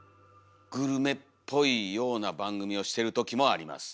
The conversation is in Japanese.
グルメっぽいような番組をしてる時もあります。